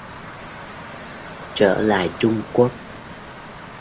Trở lại Trung Quốc